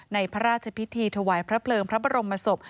พระราชพิธีถวายพระเพลิงพระบรมศพ